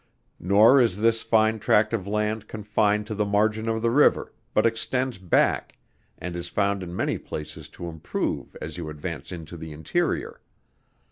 Nor is this fine tract of land confined to the margin of the river, but extends back, and is found in many places to improve as you advance into the interior.